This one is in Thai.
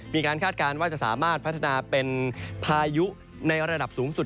คาดการณ์ว่าจะสามารถพัฒนาเป็นพายุในระดับสูงสุด